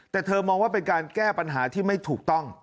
แต่เธอมองว่าเป็นการแก้ปัญหาที่ไม่ถูกต้อง